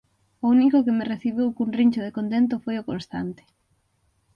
O único que me recibiu cun rincho de contento foi o Constante.